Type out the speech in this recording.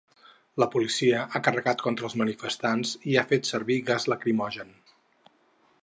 La policia ha carregat contra els manifestants i ha fet servir gas lacrimogen.